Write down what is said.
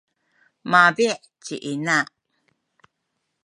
mabi’ ci ina.